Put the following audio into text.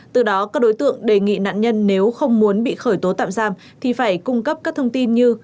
từ đó các đối tượng đề nghị nạn nhân nếu không muốn bị khởi tố tạm giam thì phải cung cấp các thông tin như